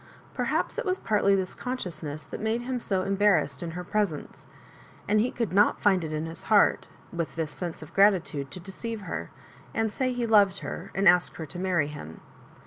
Perhaps it was partly this consciousness that made him 80 embarrassed in her presence ; and he could not find it in his heart, with this sense of grati tude, to deceive her, and say he loved her, and ask her to marry him.